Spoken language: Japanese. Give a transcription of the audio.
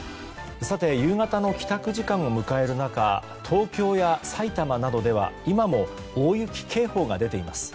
夕方の帰宅時間を迎える中東京や埼玉などでは今も大雪警報が出ています。